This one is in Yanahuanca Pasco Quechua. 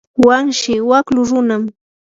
wanshi waklu runam.